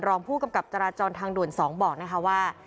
รองผู้กำกับจราจรทางด่วน๒บอกนะคะว่า